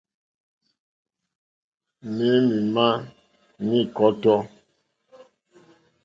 Mɛ̄ mì màá ní kɔ́tɔ́.